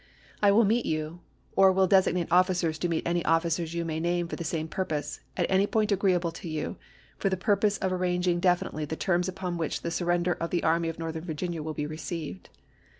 I will meet you, or will designate officers to meet any officers you may name for the same purpose, at any point agreeable to you, for the purpose of arrang ing definitely the terms upon which the surrender of the Army of Northern Virginia will be received."